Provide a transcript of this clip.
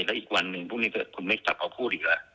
แล้วอีกวันหนึ่งพวกนี้คุณไม่จับเขาพูดอีกแล้ว